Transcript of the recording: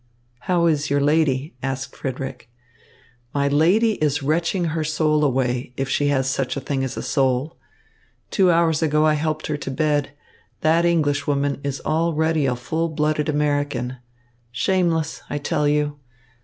"How is your lady?" asked Frederick. "My lady is retching her soul away, if she has such a thing as a soul. Two hours ago I helped her to bed. That Englishwoman is already a full blooded American. Shameless, I tell you!